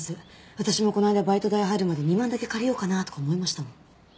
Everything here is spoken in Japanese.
私もこの間バイト代入るまで２万だけ借りようかなあとか思いましたもん。